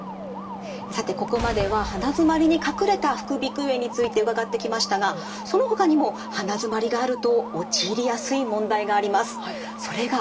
さてここまでは鼻づまりに隠れた副鼻腔炎について伺ってきましたがそのほかにも鼻づまりがあると陥りやすい問題があります。